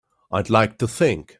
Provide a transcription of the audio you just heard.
I'd like to think.